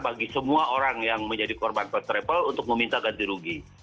bagi semua orang yang menjadi korban first travel untuk meminta ganti rugi